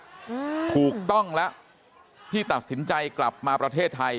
อืมถูกต้องแล้วที่ตัดสินใจกลับมาประเทศไทย